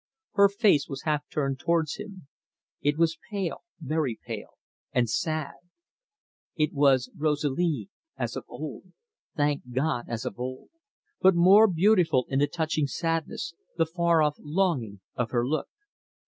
Her face was half turned towards him. It was pale very pale and sad. It was Rosalie as of old thank God, as of old! but more beautiful in the touching sadness, the far off longing, of her look.